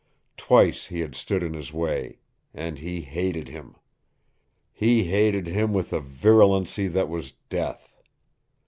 Twice he had stood in his way. And he hated him. He hated him with a virulency that was death.